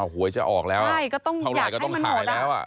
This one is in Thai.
หวยจะออกแล้วเท่าไหร่ก็ต้องขายแล้ว